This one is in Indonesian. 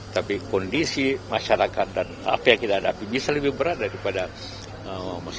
tapi kondisi masyarakat dan apa yang kita hadapi bisa lebih berat daripada masyarakat